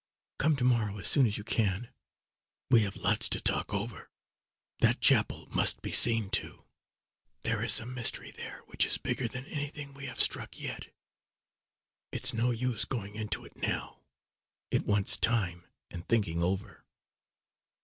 Come to morrow as soon as you can. We have lots to talk over. That chapel must be seen to. There is some mystery there which is bigger than anything we have struck yet. It's no use going into it now; it wants time and thinking over!"